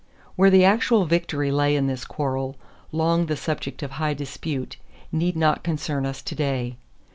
_ Where the actual victory lay in this quarrel, long the subject of high dispute, need not concern us to day.